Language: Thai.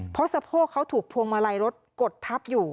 เพราะสะโพกเขาถูกพวงมาลัยรถกดทับอยู่